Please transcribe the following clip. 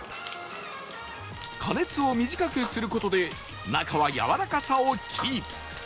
加熱を短くする事で中はやわらかさをキープ